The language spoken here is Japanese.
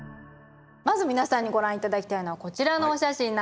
まず皆さんにご覧頂きたいのはこちらのお写真なんですね。